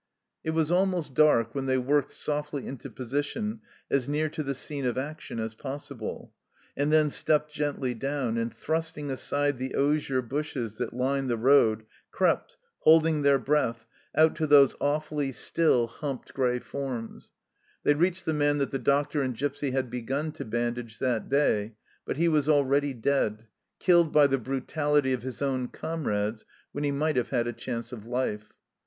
It was almost dark when they worked softly into position as near to the scene of action as possible, and then stepped gently down, and thrusting aside the osier bushes that line the road, crept, holding their breath, out to those awfully still humped 6 42 THE CELLAR HOUSE OF PERVYSE grey forms. They reached the man that the doctor and Gipsy had begun to bandage that day, but he was already dead, killed by the brutality of his own comrades when he might have had a chance of life.